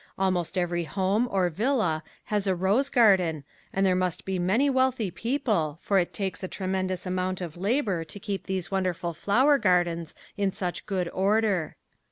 Almost every home, or villa, has a rose garden and there must be many wealthy people for it takes a tremendous amount of labor to keep these wonderful flower gardens in such good order.